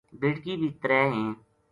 بیٹکی بھی ترے ہیں